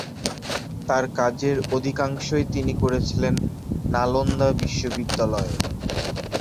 তার কাজের অধিকাংশই তিনি করেছিলেন নালন্দা বিশ্ববিদ্যালয়ে।